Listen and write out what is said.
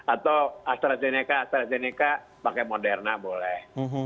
atau astrazeneca astrazeneca pakai moderna boleh